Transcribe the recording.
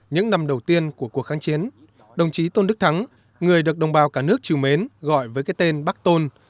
những năm đầu tiên của cuộc kháng chiến đồng chí tôn đức thắng người được đồng bào cả nước chiều mến gọi với cái tên bắc tôn